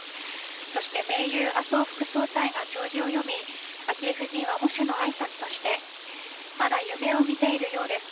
そして盟友・麻生副総裁が弔辞を読み、昭恵夫人は喪主のあいさつとしてまだ夢を見ているようです